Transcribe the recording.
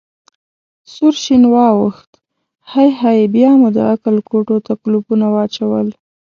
سور شین واوښت: هی هی، بیا مو د عقل کوټو ته کولپونه واچول.